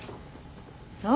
そう。